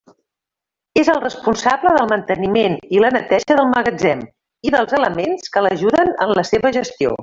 És el responsable del manteniment i la neteja del magatzem i dels elements que l'ajuden en la seva gestió.